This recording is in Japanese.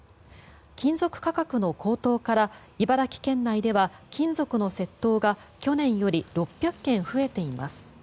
金属価格の高騰から茨城県内では金属の窃盗が去年より６００件増えています。